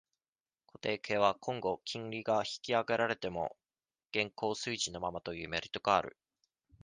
固定型は、今後、金利が引き上げられても、現行水準のままというメリットがある。